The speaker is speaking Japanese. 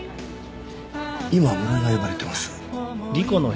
今室井が呼ばれてます。